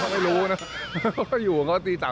เขาไม่รู้นะ